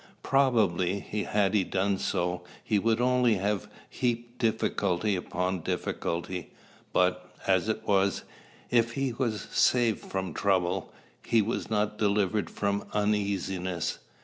Probably, had he done so, he would only have heaped difficulty upon difficulty; but, as it was, if he was saved from trouble, he was not delivered from uneasiness.